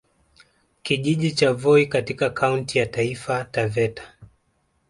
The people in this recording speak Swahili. Kijiji cha Voi katika Kaunti ya Taifa Taveta